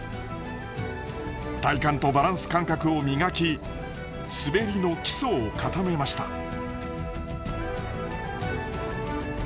体幹とバランス感覚を磨き滑りの基礎を固めました。